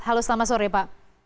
halo selamat sore pak